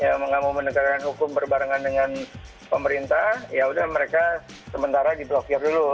nggak mau menegakkan hukum berbarengan dengan pemerintah yaudah mereka sementara diblokir dulu